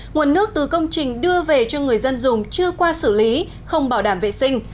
nguồn nước từ công trình đưa về cho người dân dùng chưa qua xử lý không bảo đảm vệ sinh